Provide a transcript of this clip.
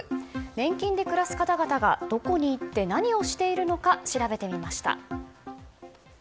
年金で暮らす方々がどこに行って何をしているのか調べてみました。